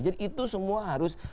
jadi itu semua harus diketahui